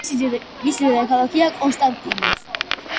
მისი დედაქალაქია კონსტანტინა.